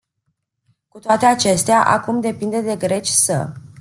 Cu toate acestea, acum, depinde de greci să...